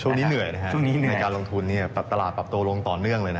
มันเหนื่อยในการลงทุนนี่ตลาดปรับโตต่อเนื่อง